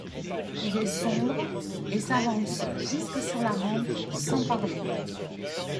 Il est sombre, et s’avance jusque sur la rampe sans parler.